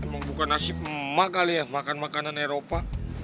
emang bukan nasib emak kali ya makan makanan eropa